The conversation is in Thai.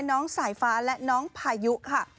น้องสายฟ้าและน้องพายุค่ะ